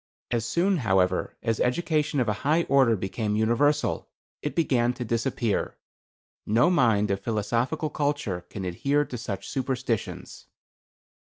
As soon, however, as education of a high order became universal, it began to disappear. No mind of philosophical culture can adhere to such superstitions.